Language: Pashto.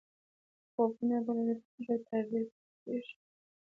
خوبونه به لیدل کېږي او تعبیر به یې کېږي.